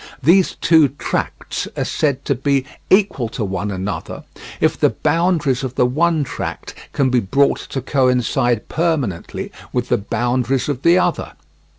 These two tracts are said to be "equal to one another" if the boundaries of the one tract can be brought to coincide permanently with the boundaries of the other.